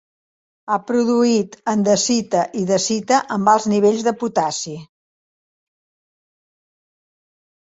Ha produït andesita i dacita amb alts nivells de potassi.